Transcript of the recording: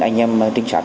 anh em trinh sát